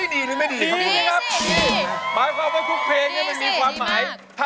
นะคะ